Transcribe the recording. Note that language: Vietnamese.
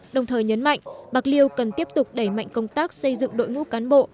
đồng thời nhấn mạnh bạc liêu cần tiếp tục đẩy mạnh công tác xây dựng đội ngũ cán bộ